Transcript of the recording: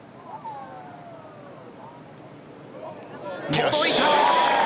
届いた！